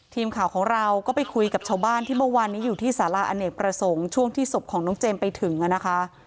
ทีมข่าวของเราก็ไปคุยกับชาวบ้านที่เมื่อวานนี้อยู่ที่สาระอเนกประสงค์ช่วงที่ศพของน้องเจมส์ไปถึงนะคะ